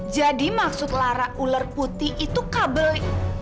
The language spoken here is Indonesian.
jadi maksud lara ular putih itu kabel